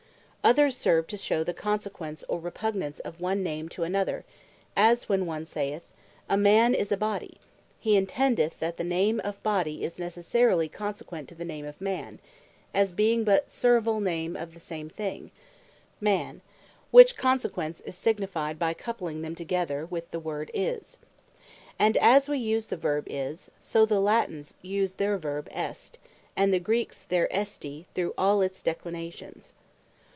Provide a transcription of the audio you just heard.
Others serve to shew the Consequence, or Repugnance of one name to another; as when one saith, "A Man is a Body," hee intendeth that the name of Body is necessarily consequent to the name of Man; as being but severall names of the same thing, Man; which Consequence is signified by coupling them together with the word Is. And as wee use the Verbe Is; so the Latines use their Verbe Est, and the Greeks their Esti through all its Declinations.